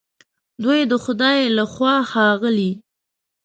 دوی د خدای له خوا ښاغلي